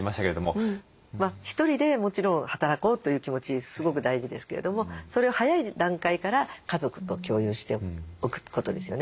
１人でもちろん働こうという気持ちすごく大事ですけれどもそれを早い段階から家族と共有しておくことですよね。